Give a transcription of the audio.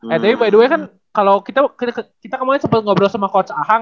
eh tapi by the way kan kalau kita kemarin sempet ngobrol sama coach ahang